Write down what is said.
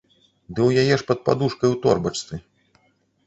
Ды ў яе ж пад падушкай у торбачцы.